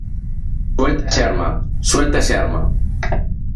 ¡ suelta ese arma! ¡ suelta ese arma !